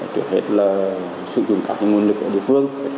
trước hết là sử dụng các nguồn lực ở địa phương